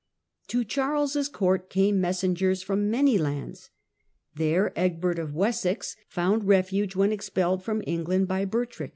. To Charles' Court came messengers from many Closing V6&rs of lands. There Egbert of Wessex found refuge when Charles' expelled from England by Bertric.